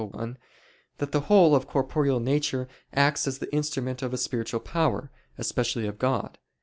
1) that the whole of corporeal nature acts as the instrument of a spiritual power, especially of God.